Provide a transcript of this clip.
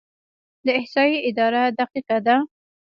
د احصایې اداره دقیقه ده؟